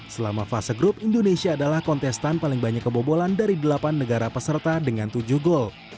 selama fase grup indonesia adalah kontestan paling banyak kebobolan dari delapan negara peserta dengan tujuh gol